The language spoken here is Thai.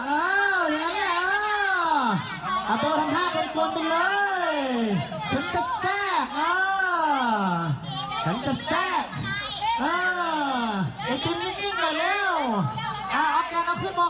เอาออกแกนออกขึ้นมองขึ้นมาฟัง๑๒มองกล้อง